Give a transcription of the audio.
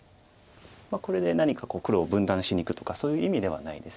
これで何か黒を分断しにいくとかそういう意味ではないです。